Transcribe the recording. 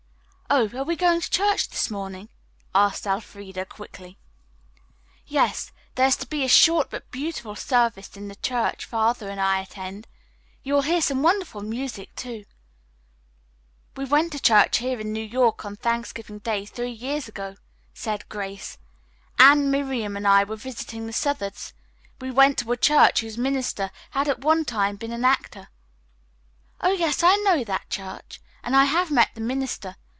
"Oh, are we going to church this morning?" asked Elfreda quickly. "Yes. There is to be a short but beautiful service in the church Father and I attend. You will hear some wonderful music, too." "We went to church here in New York City on Thanksgiving Day, three years ago," said Grace. "Anne, Miriam and I were visiting the Southards. We went to a church whose minister had at one time been an actor." "Oh, yes, I know that church, and I have met the minister.